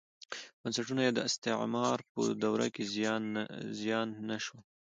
بنسټونه یې د استعمار په دوره کې زیان نه شول.